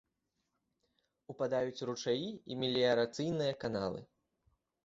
Упадаюць ручаі і меліярацыйныя каналы.